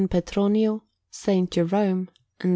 Petronio, S. Jerome, and S.